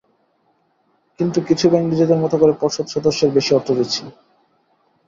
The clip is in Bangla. কিন্তু কিছু ব্যাংক নিজেদের মতো করে পর্ষদ সদস্যদের বেশি অর্থ দিচ্ছে।